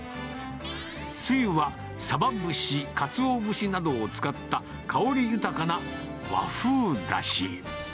つゆは、さば節、かつお節などを使った、香り豊かな和風だし。